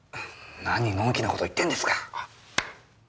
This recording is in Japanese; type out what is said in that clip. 何のん気な事言ってんですか！